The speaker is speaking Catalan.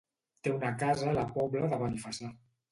Té una casa a la Pobla de Benifassà.